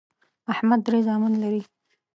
احمد درې زامن لري